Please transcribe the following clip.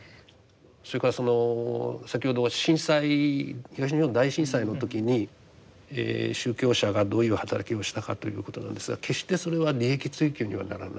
それから先ほどは震災東日本大震災の時に宗教者がどういう働きをしたかということなんですが決してそれは利益追求にはならない。